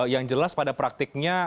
yang jelas pada praktiknya